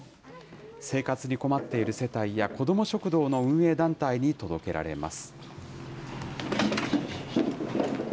生活に困っている世帯や、子ども食堂の運営団体に届けられます。